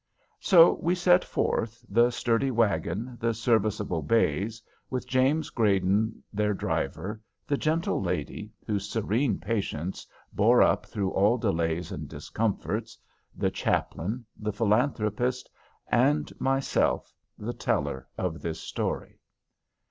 So we set forth, the sturdy wagon, the serviceable bays, with James Grayden their driver, the gentle lady, whose serene patience bore up through all delays and discomforts, the Chaplain, the Philanthropist, and myself, the teller of this story.